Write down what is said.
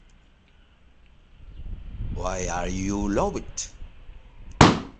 Why are you loved?